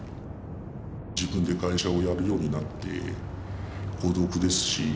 自分で会社をやるようになって孤独ですし